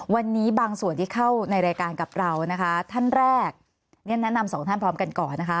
วันนี้บางส่วนที่เข้าในรายการกับเรานะคะท่านแรกเนี่ยแนะนำสองท่านพร้อมกันก่อนนะคะ